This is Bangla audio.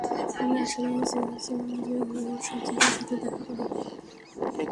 আমি আসলেই চেয়েছিলাম যে, ও সাজ্জাদের সাথে দেখা করুক।